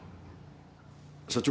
社長。